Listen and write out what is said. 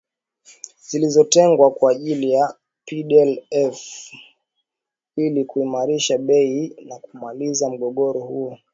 Zilizotengwa kwa ajili ya PDLF ili kuimarisha bei na kumaliza mgogoro huo